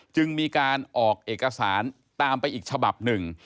จึงมีการออกเอกสารตามไปอีกฉบับหนึ่ง